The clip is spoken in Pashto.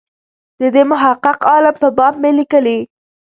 د دې محقق عالم په باب مې لیکلي.